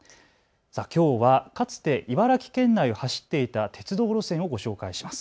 きょうはかつて茨城県内を走っていた鉄道路線をご紹介します。